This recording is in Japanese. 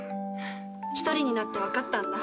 一人になって分かったんだ。